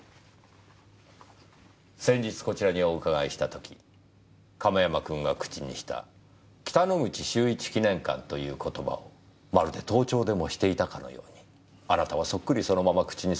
先日こちらにお伺いした時亀山君が口にした「北之口秀一記念館」という言葉をまるで盗聴でもしていたかのようにあなたはそっくりそのまま口にされました。